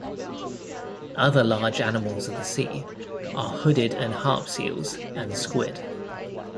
Other large animals of the sea are hooded and harp seals and squid.